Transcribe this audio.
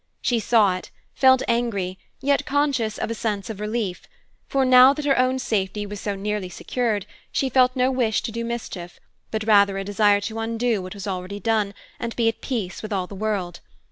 She saw it, felt angry, yet conscious of a sense of relief; for now that her own safety was so nearly secured, she felt no wish to do mischief, but rather a desire to undo what was already done, and be at peace with all the world.